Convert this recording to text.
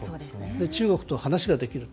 中国と話ができると。